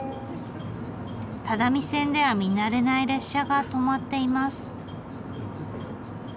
只見線では見慣れない列車が止まっています。